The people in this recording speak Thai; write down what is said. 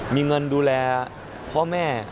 มีเงินดูแลพ่อแม่